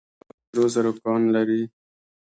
تخار د سرو زرو کان لري